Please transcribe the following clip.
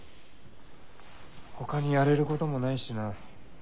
ほかにやれることもないしな。